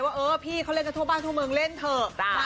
ว่าเออพี่เขาเล่นกันทั่วบ้านทั่วเมืองเล่นเถอะ